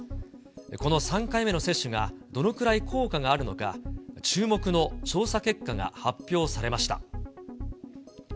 この３回目の接種が、どのくらい効果があるのか、注目の調査結果が発表されました。